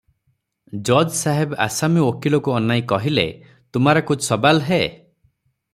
ଜଜ୍ ସାହେବ ଆସାମୀ ଓକିଲକୁ ଅନାଇ କହିଲେ - ତୁମାରା କୁଛ୍ ସବାଲ ହେ?